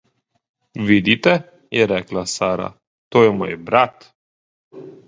»Vidite,« je rekla Sara, »to je moj brat.«